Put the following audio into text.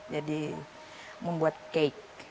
jadi membuat kek